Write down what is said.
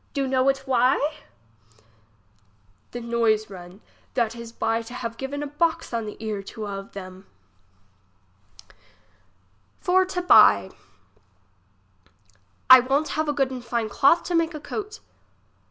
Do know it why ? The noise run that is by to have given a box on the ear to a of them. English as she is spoke. 31 For to buy. I won't have a good and fine cloth to make a coat.